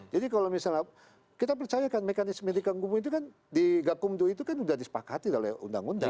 jadi kalau misalnya kita percaya kan mekanisme medikanggum itu kan di gakumdo itu kan sudah disepakati oleh undang undang